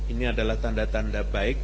ini adalah tanda tanda baik